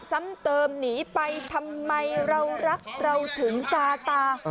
ซ้ำเติมหนีไปทำไมเรารักเราถึงซาตา